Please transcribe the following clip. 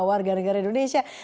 warga negara indonesia